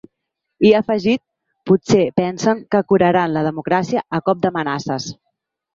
I ha afegit: ‘Potser pensen que curaran la democràcia a cop d’amenaces’.